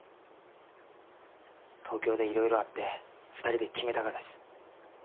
東京でいろいろあって２人で決めたがです。